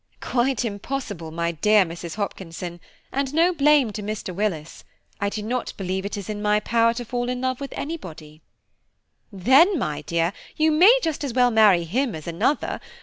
"Quite impossible, my dear Mrs. Hopkinson, and no blame to Mr. Willis; I do not believe it is in my power to fall in love with anybody." "Then, my dear, you may just as well marry him as another.